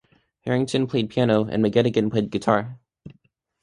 Harrington played piano and McGettigan played guitar.